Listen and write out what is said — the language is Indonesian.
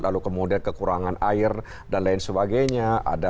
lalu kemudian kekurangan air dan lain sebagainya